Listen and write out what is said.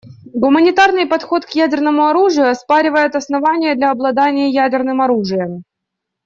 Гуманитарный подход к ядерному оружию оспаривает основания для обладания ядерным оружием.